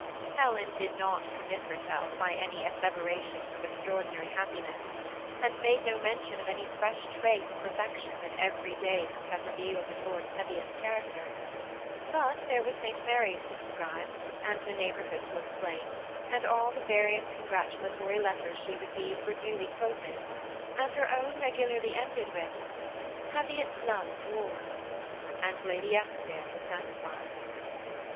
Helen did not commit herself by any asseverations of extraordinary happiness, and made no mention of any fresh trait of perfection that every day must .have re vealed in Lord Teviot's character ; but there was St. THE SEMI ATTACHED COUPLE. 59 Mary's to describe, and the neighborhood to explain, and all the various congratulatory letters she received were duly quoted, and her own regularly ended with " Teviot's love to all" ; and Lady £skdale was satisfied.